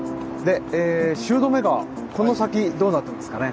汐留川この先どうなってますかね。